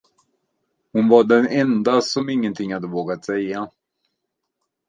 Hon var den enda som ingenting hade vågat säga.